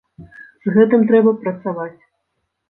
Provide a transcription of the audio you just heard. З гэтым трэба працаваць.